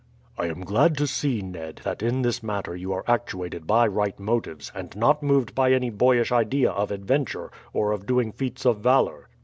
"I am glad to see, Ned, that in this matter you are actuated by right motives, and not moved by any boyish idea of adventure or of doing feats of valour.